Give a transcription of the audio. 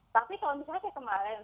tapi kalau misalnya kayak kemarin